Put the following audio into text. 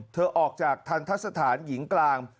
เธอออกจากทันทรศาสตร์หญิงกลาง